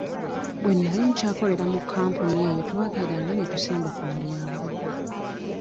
Bwe nali nkyakola mu kampuni eyo twakeranga ne tusimba ku mulyango.